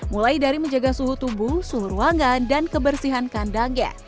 mulai dari menjaga suhu tubuh suhu ruangan dan kebersihan kandangnya